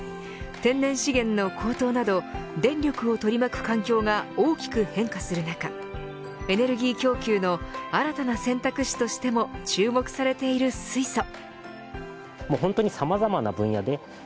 天然資源の高騰など電力を取り巻く環境が大きく変化する中エネルギー供給の新たな選択肢としても注目されている水素。